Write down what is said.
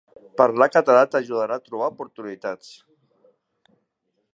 Parlar català t'ajudarà a trobar oportunitats.